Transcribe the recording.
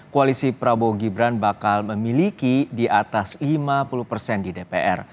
koalisi prabowo gibran bakal memiliki di atas lima puluh persen di dpr